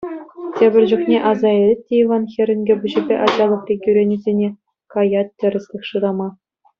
Тепӗр чухне аса илет те Иван хӗрӗнкӗ пуҫӗпе ачалӑхри кӳренӳсене, каять тӗрӗслӗх шырама.